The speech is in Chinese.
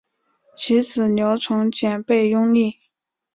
其子刘从谏被拥立。